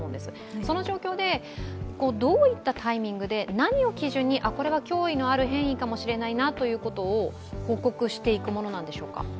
その状況で、どういったタイミングで何を基準にこれが脅威のある変異かもしれないということを報告していくものなんでしょうか？